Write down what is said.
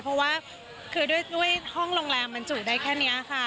เพราะว่าคือด้วยห้องโรงแรมบรรจุได้แค่นี้ค่ะ